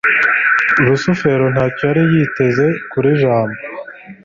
rusufero ntacyo yari yiteze kuri jabo